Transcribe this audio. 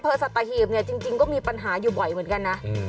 สัตหีบเนี่ยจริงก็มีปัญหาอยู่บ่อยเหมือนกันนะ